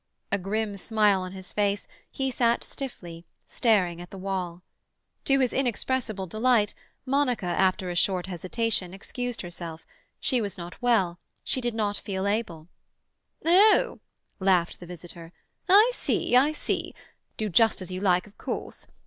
A grim smile on his face, he sat stiffly, staring at the wall. To his inexpressible delight, Monica, after a short hesitation, excused herself; she was not well; she did not feel able— "Oh!" laughed the visitor. "I see, I see! Do just as you like, of course.